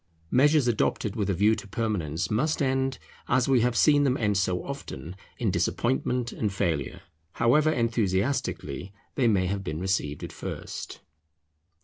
Measures adopted with a view to permanence must end, as we have seen them end so often, in disappointment and failure, however enthusiastically they may have been received at first.